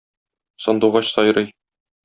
Сандугач сайрый.